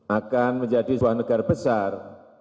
akan menjadi sebuah negara besar